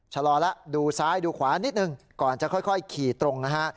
ชะลอแล้วดูซ้ายดูขวานิดนึงก่อนจะค่อยขี่ตรงนะฮะ